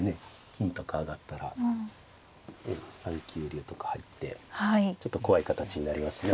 金とか上がったら３九竜とか入ってちょっと怖い形になりますね。